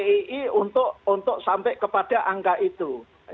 yang dipergunakan oleh tii untuk sampai kepada angka itu